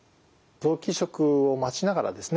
臓器移植を待ちながらですね